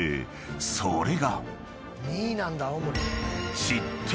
［それが］